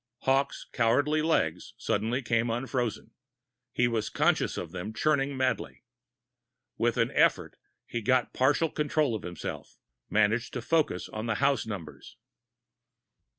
Hawkes' cowardly legs suddenly came unfrozen. He was conscious of them churning madly. With an effort, he got partial control of himself, managing to focus on the house numbers.